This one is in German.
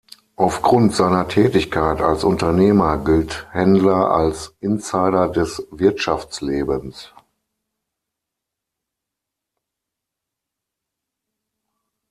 Aufgrund seiner Tätigkeit als Unternehmer gilt Händler als Insider des Wirtschaftslebens.